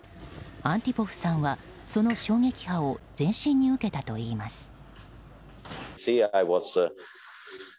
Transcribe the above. アンティポフさんはその衝撃波を全身に受けたといいます。